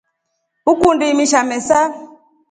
Ukundi imisha mesa?